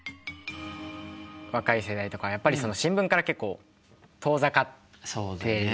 若い世代とかやっぱり新聞から結構遠ざかっていると思いますし。